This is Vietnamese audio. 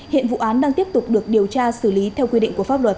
hiện vụ án đang tiếp tục được điều tra xử lý theo quy định của pháp luật